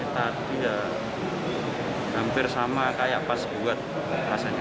tadi ya hampir sama kayak pas buat rasanya